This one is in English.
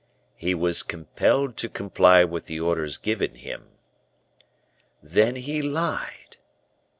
"He was compelled to comply with the orders given him." "Then he lied?"